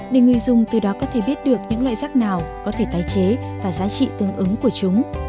để người dùng từ đó có thể biết được những loại rác nào có thể tái chế và giá trị tương ứng của chúng